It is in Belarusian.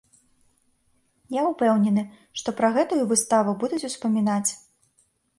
Я ўпэўнены, што пра гэтую выставу будуць успамінаць.